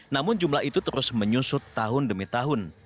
namun jumlah itu terus menyusut tahun demi tahun